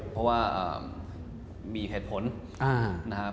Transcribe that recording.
เพราะว่ามีเหตุผลนะครับ